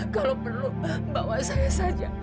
kalau perlu bawa saya saja